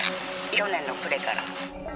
去年の暮れから。